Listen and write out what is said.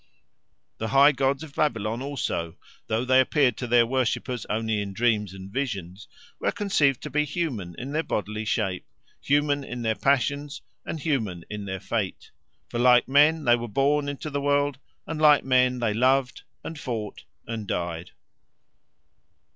The high gods of Babylon also, though they appeared to their worshippers only in dreams and visions, were conceived to be human in their bodily shape, human in their passions, and human in their fate; for like men they were born into the world, and like men they loved and fought and died.